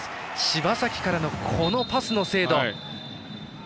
柴崎からのこのパスの精度。